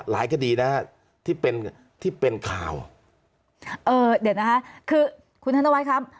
คดีนะฮะที่เป็นที่เป็นข่าวเอ่อเดี๋ยวนะคะคือคุณธนวัฒน์ครับ